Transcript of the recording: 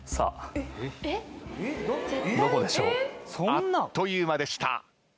あっという間でした。